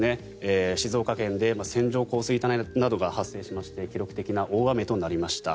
静岡県で線状降水帯などが発生しまして記録的な大雨となりました。